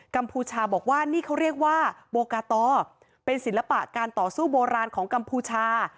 กมชาบอกว่านี่เขาเรียกว่าโบกาตอเป็นศิลปะการต่อสู้โบราณของกัมพูชา